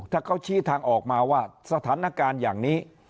ถ้าเขาชี้ทางออกมาว่าสถานการณ์อย่างนี้